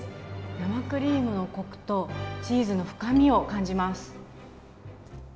生クリームのこくとチーズの深みを感じます。